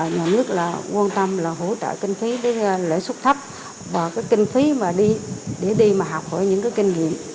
nhà nước là quan tâm là hỗ trợ kinh phí với lợi sức thấp và cái kinh phí để đi mà học hỏi những cái kinh nghiệm